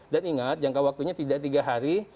dan ingat jangka waktunya tidak tiga hari